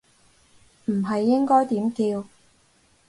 唔係應該點叫